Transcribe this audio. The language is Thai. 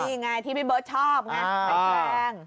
นี่ไงที่พี่เบิร์ตชอบไงไม่แคลง